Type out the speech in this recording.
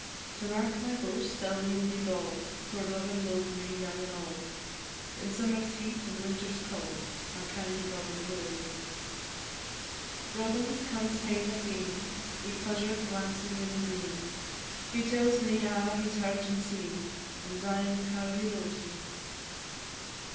To mak my boast I 'll e'en be bauld, For Robin lo'ed me young and auld, In summer's heat and winter's cauld, My kind Robin lo'es me. Robin he comes hame at e'en Wi' pleasure glancin' in his e'en; He tells me a' he 's heard and seen, And syne how he lo'es me.